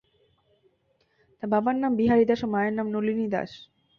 তার বাবার নাম বিহারী দাস ও মায়ের নাম নলিনী দাস।